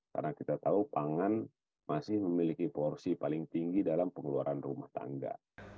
karena kita tahu pangan masih memiliki porsi paling tinggi dalam pengeluaran rumah tangga